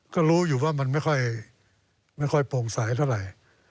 ก็รู้อยู่ว่ามันไม่ค่อยโปร่งใสเท่าไหร่